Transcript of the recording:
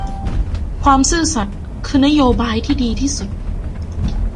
ความซื่อสัตย์คือนโบายที่ดีที่สุด